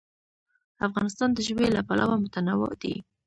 افغانستان د ژبې له پلوه متنوع دی.